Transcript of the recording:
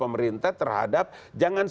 jangan diperlukan untuk berhenti berhenti berhenti